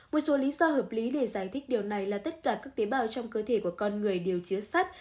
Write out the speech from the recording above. một số lý do hợp lý để giải thích điều này là tất cả các tế bào trong cơ thể của con người đều chứa sắt